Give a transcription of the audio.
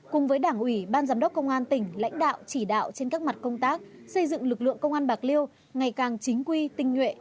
cùng với đảng ủy ban giám đốc công an tỉnh lãnh đạo chỉ đạo trên các mặt công tác xây dựng lực lượng công an bạc liêu ngày càng chính quy tinh nhuệ